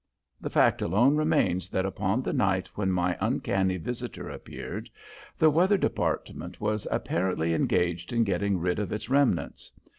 The fact alone remains that upon the night when my uncanny visitor appeared, the weather department was apparently engaged in getting rid of its remnants.